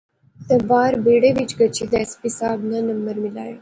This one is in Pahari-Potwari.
تے باہر بیڑے وچ گچھی تہ ایس پی صاحب ناں نمبر ملایا